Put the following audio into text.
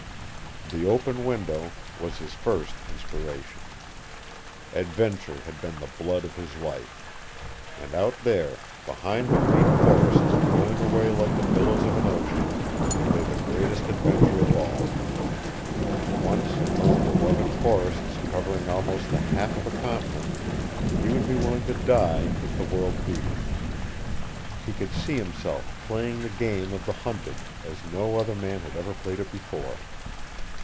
The open window was his first inspiration. Adventure had been the blood of his life. And out there, behind the green forests rolling away like the billows of an ocean, lay the greatest adventure of all. Once in those beloved forests covering almost the half of a continent, he would be willing to die if the world beat him. He could see himself playing the game of the hunted as no other man had ever played it before.